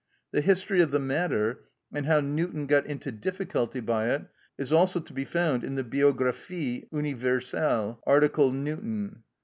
The history of the matter, and how Newton got into difficulty by it, is also to be found in the "Biographie Universelle," article Newton.